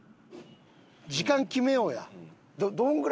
時間決めようや。